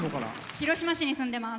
広島市に住んでます。